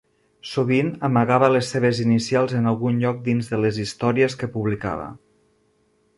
Sovint amagava les seves inicials en algun lloc dins de les històries que publicava.